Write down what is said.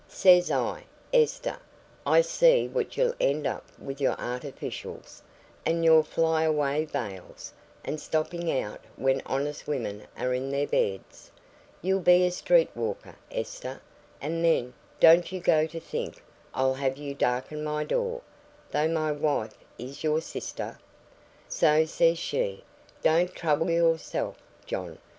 Says I, 'Esther, I see what you'll end at with your artificials, and your fly away veils, and stopping out when honest women are in their beds; you'll be a street walker, Esther, and then, don't you go to think I'll have you darken my door, though my wife is your sister.' So says she, 'Don't trouble yourself, John.